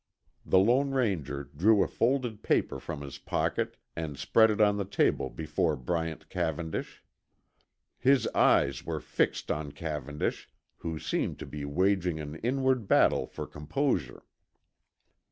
The Lone Ranger drew a folded paper from his pocket and spread it on the table before Bryant Cavendish. His eyes were fixed on Cavendish, who seemed to be waging an inward battle for composure.